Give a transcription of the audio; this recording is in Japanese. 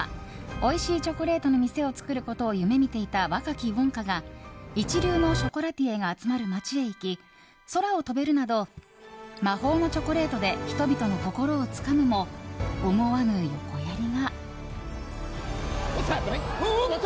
おいしいチョコレートの店を作ることを夢見ていた若きウォンカが一流のショコラティエが集まる街へ行き空を飛べるなど魔法のチョコレートで人々の心をつかむも思わぬ横やりが。